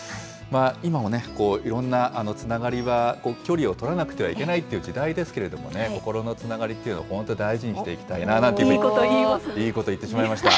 今もね、いろんなつながりは距離を取らなくてはいけないという時代ですけれどもね、心のつながりというのを本当に大事にしていきいいこと言いますね。